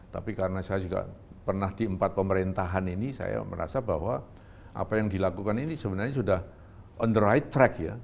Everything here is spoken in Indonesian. tapi karena saya juga pernah di empat pemerintahan ini saya merasa bahwa apa yang dilakukan ini sebenarnya sudah on the right track ya